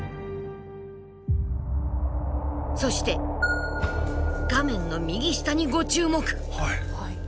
そして画面の右下にご注目。